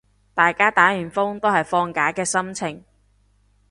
大家打完風都係放假嘅心情